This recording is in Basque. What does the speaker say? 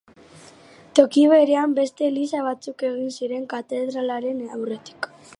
Toki berean beste eliza batzuk egin ziren katedralaren aurretik.